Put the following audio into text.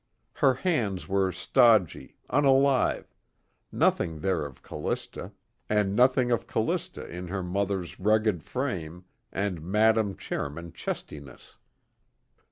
Her hands were stodgy, unalive nothing there of Callista, and nothing of Callista in her mother's rugged frame and Madam Chairman chestiness.